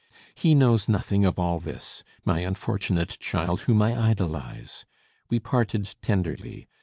He knows nothing of all this, my unfortunate child whom I idolize! We parted tenderly.